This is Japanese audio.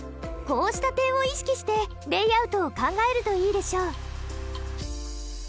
こうした点を意識してレイアウトを考えるといいでしょう。